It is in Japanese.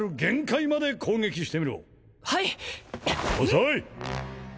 遅い！